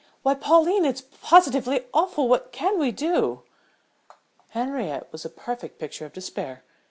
Why, Pauline, it's positively awful! What can we do?" Henriette was a perfect picture of despair.